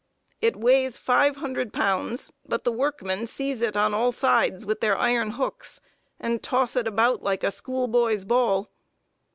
It weighs five hundred pounds, but the workmen seize it on all sides with their iron hooks, and toss it about like a schoolboy's ball.